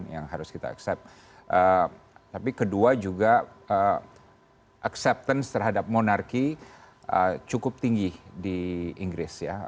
yang harus kita accept tapi kedua juga acceptance terhadap monarki cukup tinggi di inggris ya